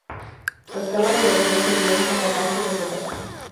Las cámaras vacías servían como tanques de flotación.